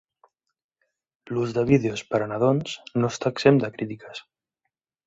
L'ús de vídeos per a nadons no està exempt de crítiques.